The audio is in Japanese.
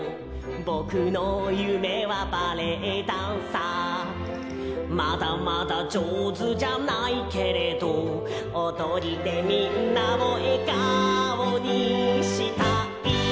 「ぼくのゆめはバレエダンサー」「まだまだじょうずじゃないけれど」「おどりでみんなをえがおにしたい」